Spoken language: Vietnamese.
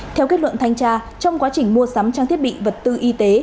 theo kết luận thanh tra trong quá trình mua sắm trang thiết bị vật tư y tế